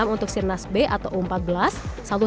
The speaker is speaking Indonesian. enam untuk sirnas b atau u empat belas